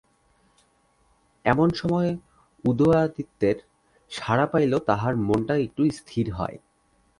এমন সময়ে উদয়াদিত্যের সাড়া পাইলেও তাঁহার মনটা একটু স্থির হয়।